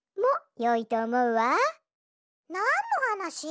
なんのはなし？